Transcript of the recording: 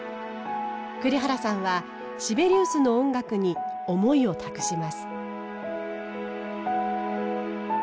栗原さんはシベリウスの音楽に思いを託します。